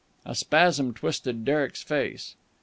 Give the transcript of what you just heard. A spasm twisted Derek's face.